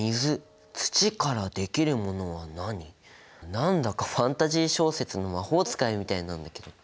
何だかファンタジー小説の魔法使いみたいなんだけど。